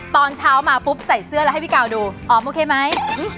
ตอนเช้ามาปุ๊บใส่เสื้อแล้วให้พี่กาวดูอ๋อโอเคไหม